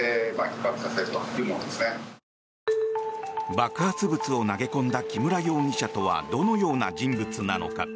爆発物を投げ込んだ木村容疑者とはどんな人物なのか。